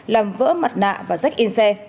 làm vỡ mặt nạ và rách in xe